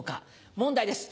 問題です